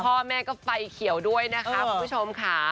พ่อแม่ก็ไฟเขียวด้วยนะคะคุณผู้ชมค่ะ